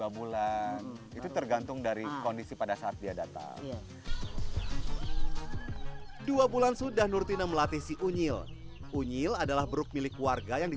dua bulan itu tergantung dari kondisi pada saat dia datang